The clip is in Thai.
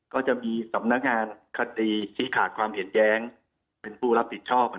ก็จะมีสำนักงานคดีที่ขาดความเห็นแย้งเป็นผู้รับผิดชอบ